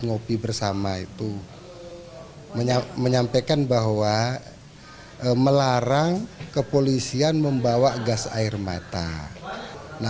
ngopi bersama itu menyampaikan bahwa melarang kepolisian membawa gas air mata nah